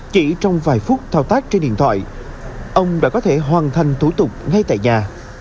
chỉ trong vài phút thao tác trên điện thoại ông đã có thể hoàn thành thủ tục ngay tại nhà